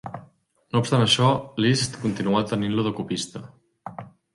No obstant això, Liszt continuà tenint-lo de copista.